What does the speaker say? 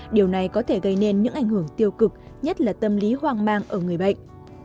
điều này có thể gây nên những ảnh hưởng tiêu cực nhất là tâm lý hoang mang ở người bệnh